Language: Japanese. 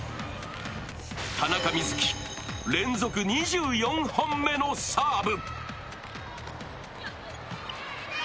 田中瑞稀、連続２４本目のサーブ。